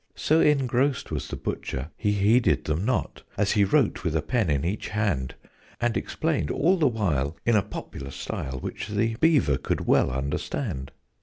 So engrossed was the Butcher, he heeded them not, As he wrote with a pen in each hand, And explained all the while in a popular style Which the Beaver could well understand.